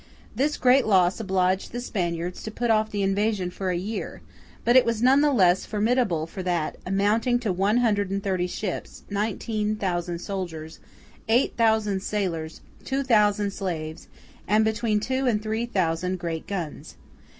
This great loss obliged the Spaniards to put off the invasion for a year; but it was none the less formidable for that, amounting to one hundred and thirty ships, nineteen thousand soldiers, eight thousand sailors, two thousand slaves, and between two and three thousand great guns.